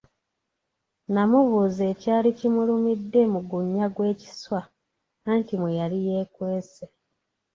Namubuuza ekyali kimulumidde mu gunnya gw’ekiswa anti mwe yali yeekwese.